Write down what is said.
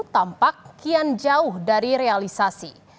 tampak kian jauh dari realisasi